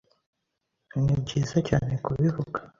Nibyiza cyane kubivuga.